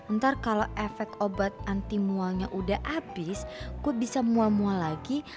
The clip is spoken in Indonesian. ntar kalau efek obat anti mualnya udah habis kok bisa mual mual lagi